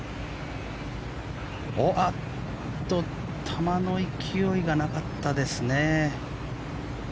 球の勢いがなかったですね。